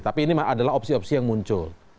tapi ini adalah opsi opsi yang muncul